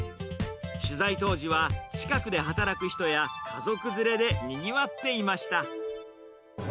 取材当時は近くで働く人や家族連れでにぎわっていました。